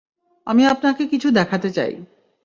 আমি আপনাকে কিছু দেখাতে চাই।